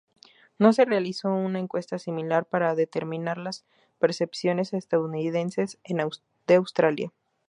No se realizó una encuesta similar para determinar las percepciones estadounidenses de Australia.